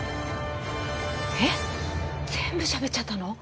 えっ全部しゃべっちゃったの？